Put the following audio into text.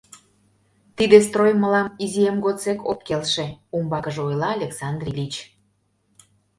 — Тиде строй мылам изиэм годсек ок келше, — умбакыже ойла Александр Ильич.